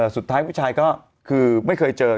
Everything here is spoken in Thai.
สุดท้ายผู้ชายก็คือไม่เคยเจอ